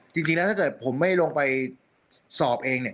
จริงแล้วถ้าเกิดผมไม่ลงไปสอบเองเนี่ย